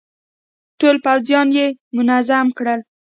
ټول پوځيان يې منظم کړل.